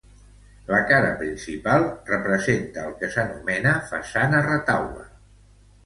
La cara principal representa el que s'anomena façana retaule.